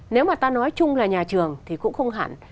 nếu mà ta nói chung là nhà trường thì cũng không hẳn